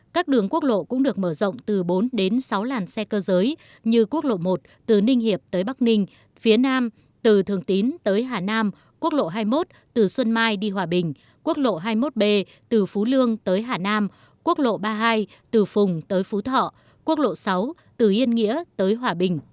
các đường quốc lộ cũng được mở rộng từ bốn đến sáu làn xe cơ giới như quốc lộ một từ ninh hiệp tới bắc ninh phía nam từ thường tín tới hà nam quốc lộ hai mươi một từ xuân mai đi hòa bình quốc lộ hai mươi một b từ phú lương tới hà nam quốc lộ ba mươi hai từ phùng tới phú thọ quốc lộ sáu từ yên nghĩa tới hòa bình